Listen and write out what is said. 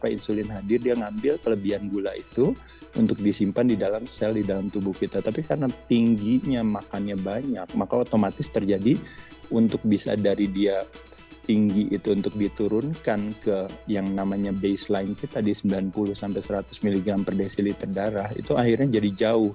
karena insulin hadir dia ngambil kelebihan gula itu untuk disimpan di dalam sel di dalam tubuh kita tapi karena tingginya makannya banyak maka otomatis terjadi untuk bisa dari dia tinggi itu untuk diturunkan ke yang namanya baseline kita tadi sembilan puluh seratus mg per desiliter darah itu akhirnya jadi jauh